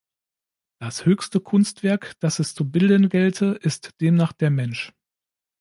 Das höchste Kunstwerk, das es zu bilden gelte, ist demnach der Mensch.